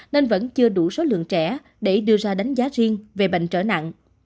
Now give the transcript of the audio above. nên vẫn chưa đủ số lượng trẻ để đưa ra đánh giá riêng về bệnh trở nặng